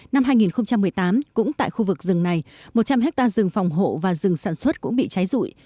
năm hai nghìn một mươi tám cũng tại khu vực rừng này một trăm linh hectare rừng phòng hộ và rừng sản xuất cũng bị cháy rụi